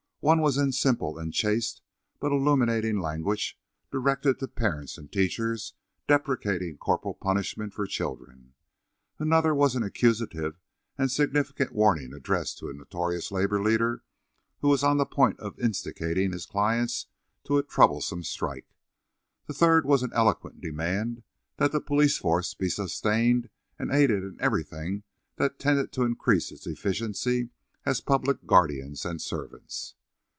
One was in simple and chaste but illuminating language directed to parents and teachers, deprecating corporal punishment for children. Another was an accusive and significant warning addressed to a notorious labour leader who was on the point of instigating his clients to a troublesome strike. The third was an eloquent demand that the police force be sustained and aided in everything that tended to increase its efficiency as public guardians and servants.